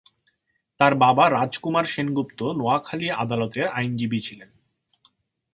তার বাবা রাজকুমার সেনগুপ্ত নোয়াখালী আদালতের আইনজীবী ছিলেন।